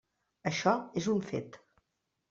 Això és un fet.